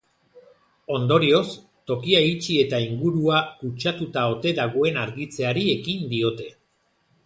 Ondorioz, tokia itxi eta ingurua kutsatuta ote dagoen argitzeari ekin diote.